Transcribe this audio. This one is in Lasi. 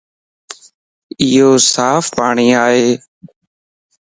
ايو صاف پاڻي ائي